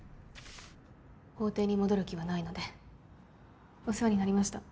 法廷に戻る気はないのでお世話になりました